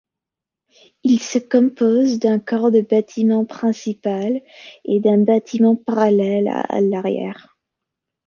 Il se compose d'un corps de bâtiment principal et d'un bâtiment parallèle à l'arrière.